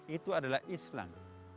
itu adalah islam